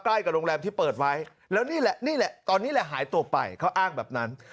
ใกล้กับโรงแรมที่เปิดไว้แล้วนี่แหละนี่แหละตอนนี้แหละหายตัวไปเขาอ้างแบบนั้น